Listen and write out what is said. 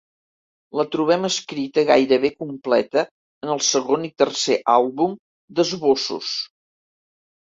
La trobem escrita gairebé completa en el segon i tercer àlbum d'esbossos.